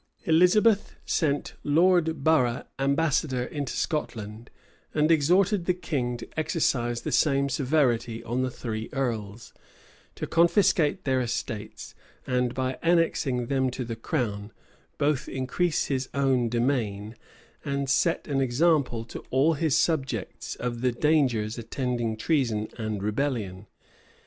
Elizabeth sent Lord Borough ambassador into Scotland, and exhorted the king to exercise the same severity on the three earls, to confiscate their estates, and by annexing them to the crown, both increase his own demesnes, and set an example to all his subjects of the dangers attending treason and rebellion.